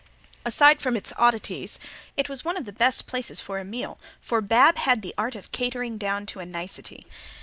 Aside from its oddities it was one of the best places for a good meal for Bab had the art of catering down to a nicety.